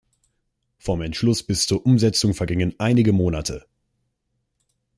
Vom Entschluss bis zur Umsetzung vergingen einige Monate.